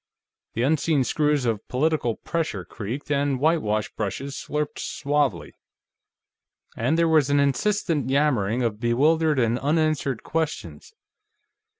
The unseen screws of political pressure creaked, and whitewash brushes slurped suavely. And there was an insistent yammering of bewildered and unanswered questions.